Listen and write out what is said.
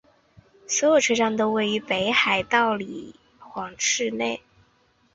所有车站都位于北海道札幌市内。